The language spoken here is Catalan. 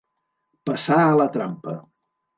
Passar a la trampa.